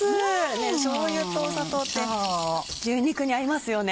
しょうゆと砂糖って牛肉に合いますよね。